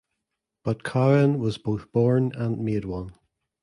But Cowan was both born and made one.